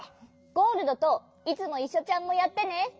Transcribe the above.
ゴールドといつもいっしょちゃんもやってね！